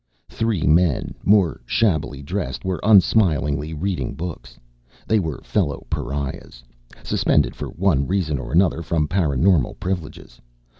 Three men, more shabbily dressed, were unsmilingly reading books. They were fellow pariahs, Suspended for one reason or another from paraNormal privileges.